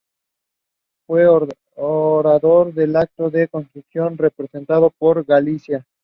Fue orador en el acto de constitución representado a Galicia.